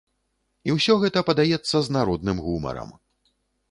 І ўсё гэта падаецца з народным гумарам.